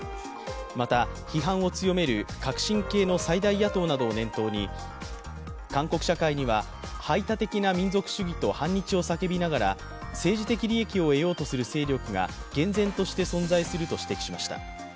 また、批判を強める革新系の最大野党などを念頭に韓国社会には排他的な民族主義と反日を叫びながら政治的利益を得ようとする勢力が厳然として存在すると指摘しました。